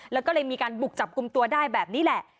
แล้วก็เลยมีการบุกจับกลุ่มตัวได้แบบนี้แหละ